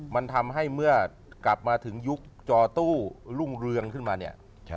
มันทำให้เมื่อกลับมาถึงยุคจอตู้รุ่งเรืองขึ้นมาเนี่ย